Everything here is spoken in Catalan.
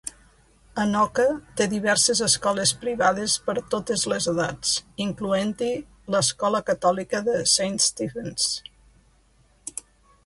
Anoka té diverses escoles privades per a totes les edats, incloent-hi l'Escola Catòlica de St. Stephens.